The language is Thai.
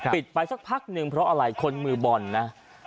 ปิดไปสักพักหนึ่งเพราะอะไรคนมือบอลนะ